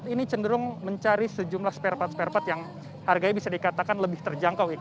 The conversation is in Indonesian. ini cenderung mencari sejumlah spare part spare part yang harganya bisa dikatakan lebih terjangkau